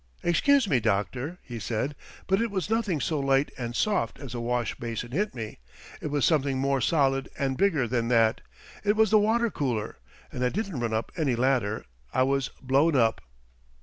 "Excuse me, doctor," he said, "but it was nothing so light and soft as a wash basin hit me. It was something more solid and bigger than that. It was the water cooler, and I didn't run up any ladder I was blown up."